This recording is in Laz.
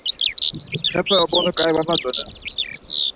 Xepe obonu ǩai var matzonen.